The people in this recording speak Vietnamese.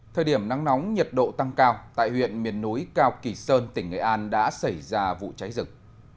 thời điểm nắng nóng nhiệt độ tăng cao tại huyện miền núi cao kỳ sơn tỉnh nghệ an đã xảy ra vụ cháy rừng